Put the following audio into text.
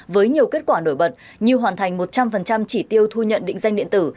với nhiều kết quả nổi bật như hoàn thành một trăm linh chỉ tiêu thu nhận định danh điện tử